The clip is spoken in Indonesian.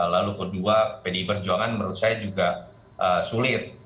lalu kedua pdi perjuangan menurut saya juga sulit